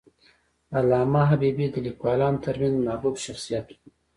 علامه حبیبي د لیکوالانو ترمنځ محبوب شخصیت و.